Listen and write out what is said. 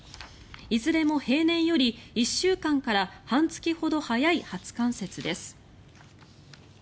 いずれも平年より１週間から半月ほど早い初冠雪です。